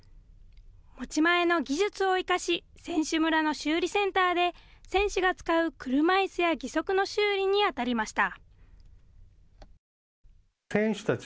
持ち前の技術を生かし、選手村の修理センターで選手が使う車いすや義足の修理にあたりました。